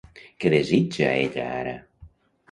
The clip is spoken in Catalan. Què desitja ella ara?